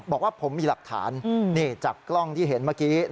บอกว่าผมมีหลักฐานนี่จากกล้องที่เห็นเมื่อกี้